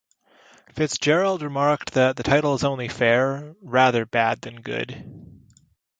Fitzgerald remarked that the title is only fair, rather bad than good.